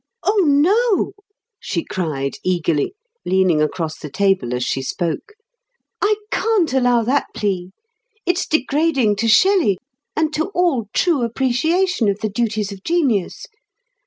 "Oh, no," she cried eagerly, leaning across the table as she spoke. "I can't allow that plea. It's degrading to Shelley, and to all true appreciation of the duties of genius.